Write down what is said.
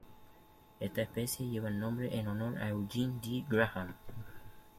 Esta especie lleva el nombre en honor a Eugene D. Graham.